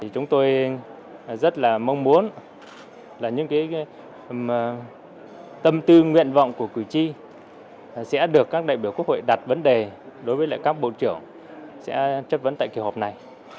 chúng tôi rất là mong muốn là những tâm tư nguyện vọng của cử tri sẽ được các đại biểu quốc hội đặt vấn đề đối với các bộ trưởng sẽ chất vấn tại kỳ họp này